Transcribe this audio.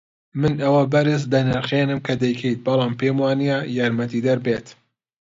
من ئەوە بەرز دەنرخێنم کە دەیکەیت، بەڵام پێم وانییە یارمەتیدەر بێت.